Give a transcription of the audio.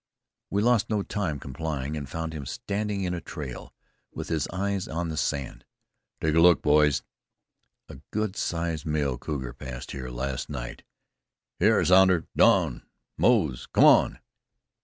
We lost no time complying, and found him standing in a trail, with his eyes on the sand. "Take a look, boys. A good sized male cougar passed here last night. Hyar, Sounder, Don, Moze, come on!"